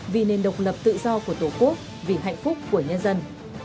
vì nền độc lập tự do của tổ quốc vì hạnh phúc của nhân dân